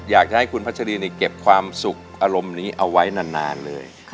อยากจะให้คุณพัชรีเก็บความสุขอารมณ์นี้เอาไว้นานเลย